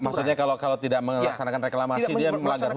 maksudnya kalau tidak melaksanakan reklamasi dia melanggar hukum